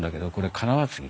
金輪継ぎ？